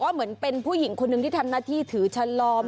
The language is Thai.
เหมือนเป็นผู้หญิงคนหนึ่งที่ทำหน้าที่ถือชะลอม